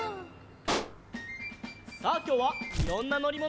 さあきょうはいろんなのりものにのろう！